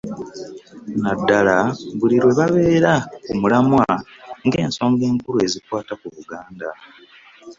Naddala buli lwe babeera ku mulamwa gw'ensonga enkulu ezikwata ku Buganda.